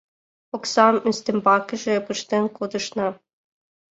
Оксам ӱстембакыже пыштен кодышна...